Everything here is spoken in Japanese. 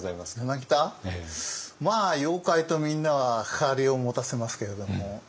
まあ妖怪とみんなは関わりを持たせますけれども。